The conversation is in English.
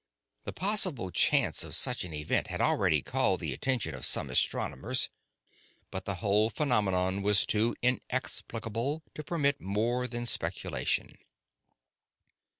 The possible chance of such an event had already called the attention of some astronomers, but the whole phenomenon was too inexplicable to permit more than speculation.